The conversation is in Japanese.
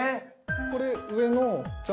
これ上の茶